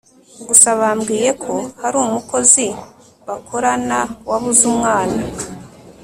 gusa bambwiye ko hari umukozi bakorana wabuze umwana